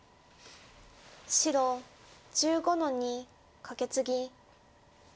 白１５の二カケツギ。